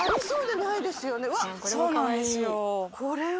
そうなんですよ。